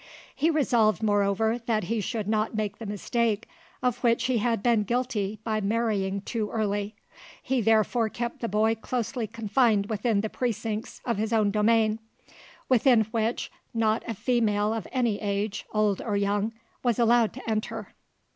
He resolved, moreover, that he should not make the mistake of which he had been guilty by marrying too early. He therefore kept the boy closely confined within the precincts of his own domain, within which not a female of any age, old or young, was allowed to enter.